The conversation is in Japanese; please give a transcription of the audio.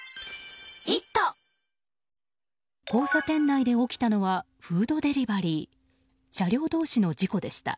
交差点内で起きたのはフードデリバリー車両同士の事故でした。